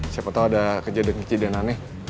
siapa tahu ada kejadian kejadian aneh